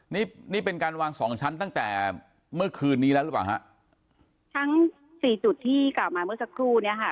นี่นี่เป็นการวางสองชั้นตั้งแต่เมื่อคืนนี้แล้วหรือเปล่าฮะทั้งสี่จุดที่กล่าวมาเมื่อสักครู่เนี้ยค่ะ